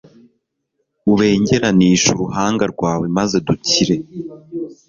ubengeranishe uruhanga rwawe maze dukire